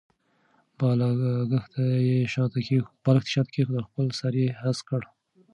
بالښت یې شاته کېښود او خپل سر یې هسک کړ.